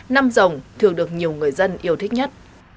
năm rồng thường được nhiều người dân yêu thích nhất